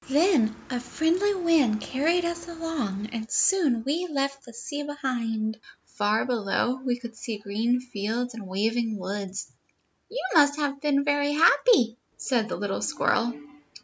Then a friendly wind carried us along, and soon we left the sea behind. Far below; we could see green fields and waving woods." "You must have been very happy" said the little squirrel.